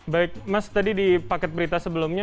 baik mas tadi di paket berita sebelumnya